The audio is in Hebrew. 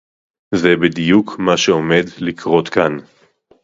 זה בדיוק מה שעומד לקרות כאן